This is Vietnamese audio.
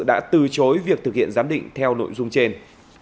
đã từ chối việc thực hiện giám định theo nội dung trên